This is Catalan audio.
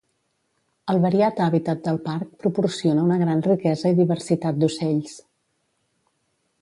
El variat hàbitat del parc proporciona una gran riquesa i diversitat d'ocells.